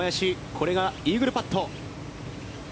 これがイーグルパット。